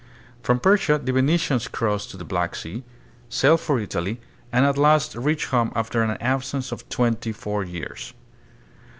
From Persia the Venetians crossed to the Black Sea, sailed for Italy, and at last reached home after an absence of twenty four years.